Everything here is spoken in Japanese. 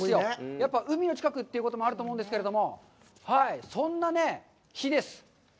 やっぱり海の近くということもあると思うんですけれども、そんな日です。